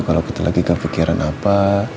kalau kita lagi kepikiran apa